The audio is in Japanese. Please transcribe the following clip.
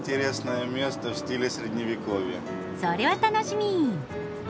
それは楽しみ！